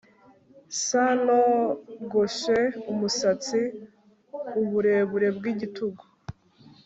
S Nogoshe umusatsi uburebure bwigitugu